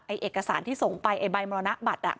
เอกสารที่ส่งไปไอ้ใบมรณบัตร